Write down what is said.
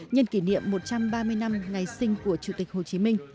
nhân kỷ niệm một trăm ba mươi năm ngày sinh của chủ tịch hồ chí minh